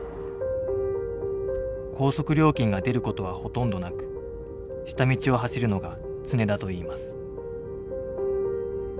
高速料金が出ることはほとんどなく下道を走るのが常だといいます。